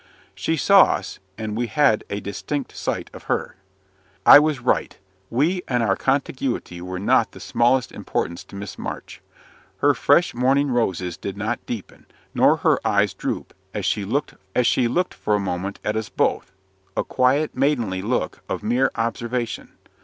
She saw us, and we had a distinct sight of her. I was right: we and our contiguity were not of the smallest importance to Miss March. Her fresh morning roses did not deepen, nor her eyes droop, as she looked for a moment at us both a quiet, maidenly look of mere observation.